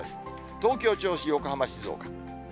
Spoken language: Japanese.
東京、銚子、横浜、静岡。